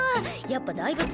やっぱ大仏？